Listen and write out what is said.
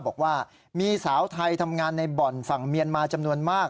บอกว่ามีสาวไทยทำงานในบ่อนฝั่งเมียนมาจำนวนมาก